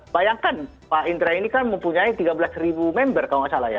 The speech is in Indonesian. bayangkan pak indra ini kan mempunyai tiga belas ribu member kalau nggak salah ya